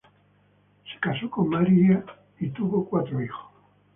Se casó con Marie y tuvo cuatro hijos.